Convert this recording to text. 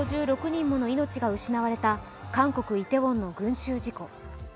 １５６人もの命が失われた韓国・イテウォンの群集事故。